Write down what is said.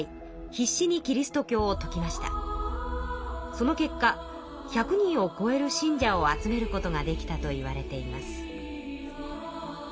その結果１００人をこえる信者を集めることができたといわれています。